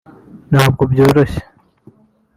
Ntabwo byoroshye